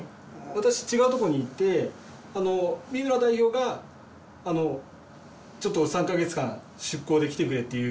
私違うとこにいて三村代表がちょっと３か月間出向で来てくれっていう。